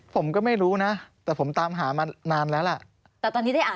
ผมก็ไม่รู้นะแต่ผมตามหามานานแล้วล่ะแต่ตอนนี้ได้อ่าน